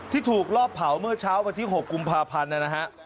ที่ถูกรอบเผาเมื่อเช้าวันที่๖กุมภาพันธ์นะฮะ